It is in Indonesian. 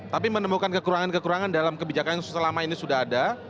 tapi menemukan kekurangan kekurangan dalam kebijakan yang selama ini sudah ada